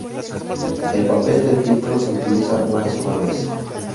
El papel de filtro se utiliza una sola vez.